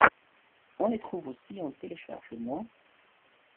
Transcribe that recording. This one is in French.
On les trouve aussi en téléchargement.